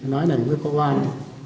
nói này mới có oan